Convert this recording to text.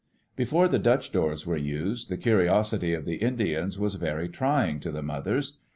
Before the Dutch doors were used, the curiosity of the Indians was very trying to the mothers.